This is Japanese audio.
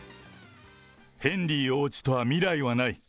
ヘンリー王子とは未来はない。